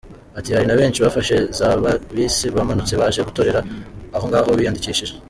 Ati “Hari na benshi bafashe za bisi bamanutse baje gutorera aho ngaho biyandikishije.